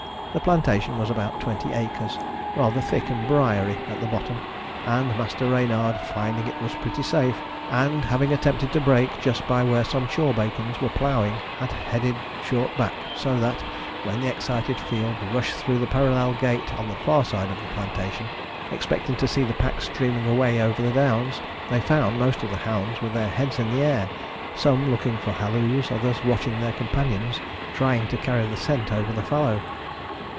The plantation was about twenty acres, rather thick and briary at the bottom; and master Reynard, finding it was pretty safe, and, moreover, having attempted to break just by where some chawbacons were ploughing, had headed short back, so that, when the excited field rushed through the parallel gate on the far side of the plantation, expecting to see the pack streaming away over the downs, they found most of the hounds with their heads in the air, some looking for halloos, others watching their companions trying to carry the scent over the fallow.